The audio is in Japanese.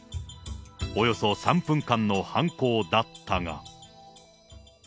およそ３分間の犯行だったが。